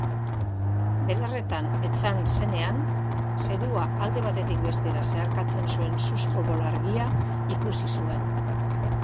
Belarretan etzan zenean, zerua alde batetik bestera zeharkazten zuen suzko bola argia ikusi zuen.